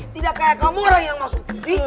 tidak kayak kamu orang yang masuk tv